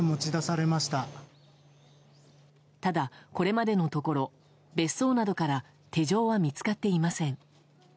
ただ、これまでのところ別荘などから手錠は見つかっていません。